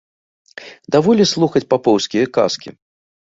Даволі слухаць папоўскія казкі.